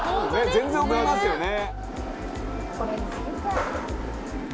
全然送りますよね！